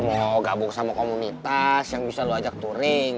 mau gabung sama komunitas yang bisa lo ajak touring